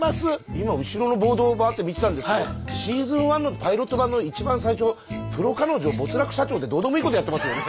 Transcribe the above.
今後ろのボードをバーッて見てたんですけどシーズン１のパイロット版の一番最初「プロ彼女・没落社長」ってどうでもいいことやってますもんね。